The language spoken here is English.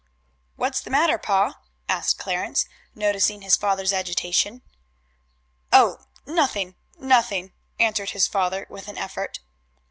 "What's the matter, pa?" asked Clarence, noticing his father's agitation. "Oh, nothing, nothing," answered his father with an effort.